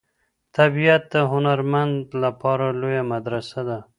طبیعت د هر هنرمند لپاره لویه مدرسه ده.